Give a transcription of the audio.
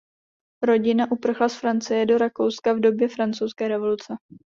Rodina uprchla z Francie do Rakouska v době francouzské revoluce.